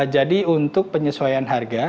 jadi untuk penyesuaian harga